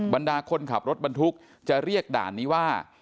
บรรดาคนขับรถบรรทุกจะเรียกด่านนี้ว่า